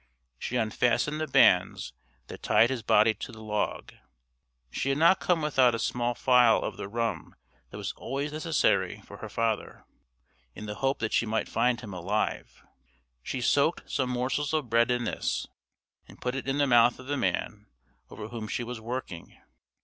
She unfastened the bands that tied his body to the log. She had not come without a small phial of the rum that was always necessary for her father, in the hope that she might find him alive. She soaked some morsels of bread in this, and put it in the mouth of the man over whom she was working.